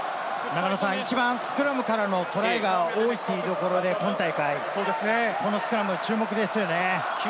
一番スクラムからのトライが多い今大会ということで、このスクラム、注目ですよね。